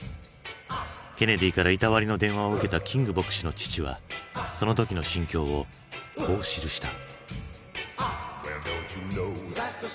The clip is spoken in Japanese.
ケネディからいたわりの電話を受けたキング牧師の父はその時の心境をこう記した。